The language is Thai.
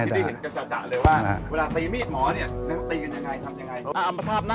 อาพระชมมีดหมอเนี่ยตีกันยังไงทำยังไง